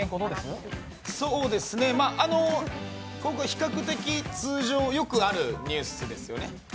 比較的通常よくあるニュースですよね。